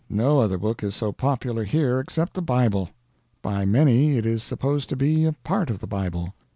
No other book is so popular here except the Bible. By many it is supposed to be a part of the Bible.